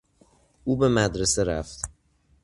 او به مدرسه رفت.